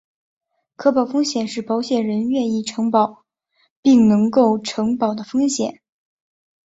可保风险是保险人愿意承保并能够承保的风险。